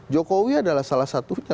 jokowi adalah salah satunya